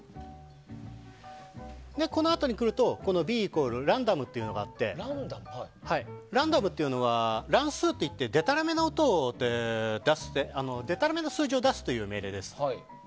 このあとにくると、Ｂイコール「ＲＮＤ」というものがあって「ＲＮＤ」というのは乱数といってでたらめな数字を出すという命令です。